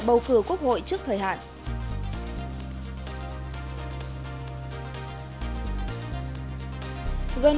bầu cử quốc hội trước thời hạn